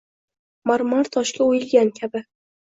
Marmar toshga o’yilgan kabi